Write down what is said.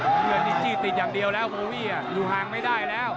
น้ำเงินนี่จี้ติดอย่างเดียวแล้วโบวี่อยู่ห่างไม่ได้แล้ว